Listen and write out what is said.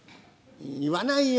「言わないよ！